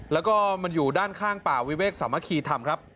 แล้วก็มันอยู่ด้านข้างป่าวิเวกสามัคคีธรรมครับ